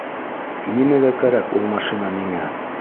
Нимәгә кәрәк ул машина миңә?